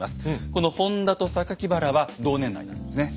この本多と原は同年代なんですね。